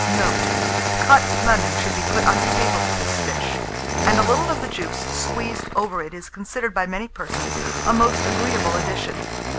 Note. Cut lemon should be put on the table with this fish; and a little of the juice squeezed over it is considered by many persons a most agreeable addition.